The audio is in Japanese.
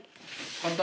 簡単！